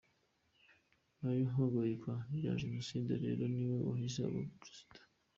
Nyuma y’ihagarikwa rya Jenoside rero niwe wahise aba Perezida.